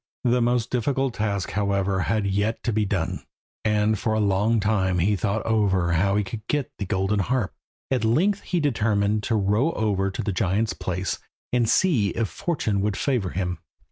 The most difficult task, however, had yet to be done, and for a long time he thought over how he could get the golden harp. At length he determined to row over to the giant's place and see if fortune would favour him.